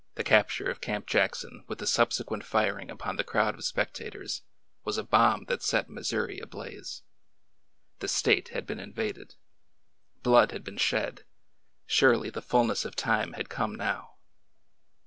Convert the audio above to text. capture of Camp Jackson with the subsequent X firing upon the crowd of spectators was a bomb that set Missouri ablaze. The State had been invaded ! Blood had been shed! Surely the fullness of time had come now!